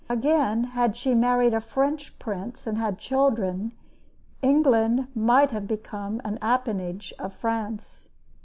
Again, had she married a French prince and had children, England might have become an appanage of France.